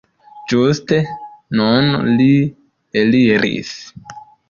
Ĝuste nun li eliris.